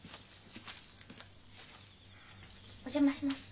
お邪魔します。